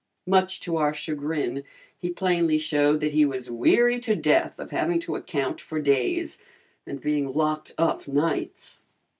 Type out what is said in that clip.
Much to our chagrin he plainly showed that he was weary to death of having to account for days, and being locked up nights.